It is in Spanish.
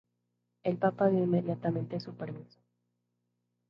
El papa dio inmediatamente su permiso.